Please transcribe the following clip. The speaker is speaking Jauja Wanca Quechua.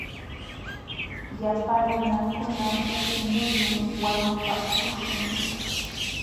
Llapa nunakunam huk muyun wañupaakuśhun.